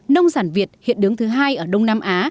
nông sản việt hiện đứng thứ hai ở đông nam á